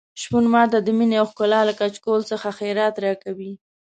شپون ماته د مينې او ښکلا له کچکول څخه خیرات راکوي.